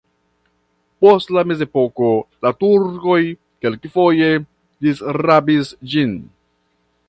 Post la mezepoko la turkoj kelkfoje disrabis ĝin.